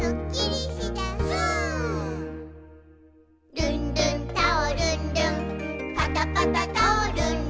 「ルンルンタオルン・ルンパタパタタオルン・ルン」